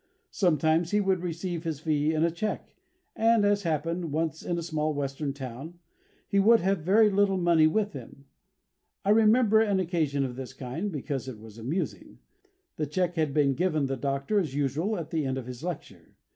Sometimes he would receive his fee in a cheque, and, as happened once in a small Western town, he would have very little money with him. I remember an occasion of this kind, because it was amusing. The cheque had been given the Doctor as usual at the end of his lecture.